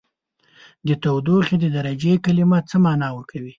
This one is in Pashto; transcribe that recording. د تودوخې د درجې کلمه څه معنا ورکوي؟